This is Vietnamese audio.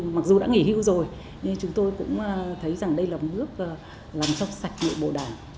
mặc dù đã nghỉ hưu rồi nhưng chúng tôi cũng thấy rằng đây là một bước làm trong sạch nội bộ đảng